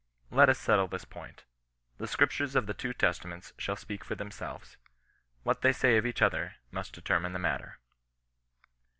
Let us settle this point. The scriptures of the two Testaments shall speak for themselves. What they say of each other must determine the matter.